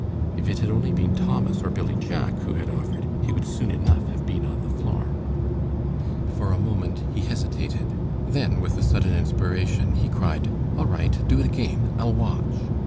If it had only been Thomas or Billy Jack who had offered, he would soon enough have been on the floor. For a moment he hesitated, then with a sudden inspiration, he cried, "All right. Do it again. I'll watch."